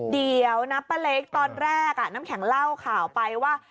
เดี๋ยวนะป้าเล็กตอนแรกน้ำแข็งเล่าข่าวไปว่า